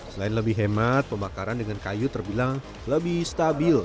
selain lebih hemat pembakaran dengan kayu terbilang lebih stabil